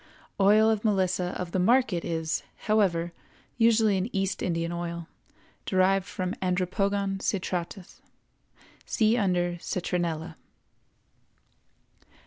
Oil of Melissa of the market is, however, usually an East Indian oil, derived from Andropogon citratus. See under Citronella.